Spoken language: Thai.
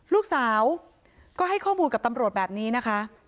ลูกสาวก็ให้ข้อมูลกับตำรวจแบบนี้นะคะ